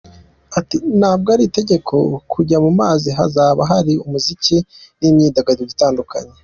Ati “Ntabwo ari itegeko kujya mu mazi, hazaba hari umuziki n’imyidagaduro itandukanye.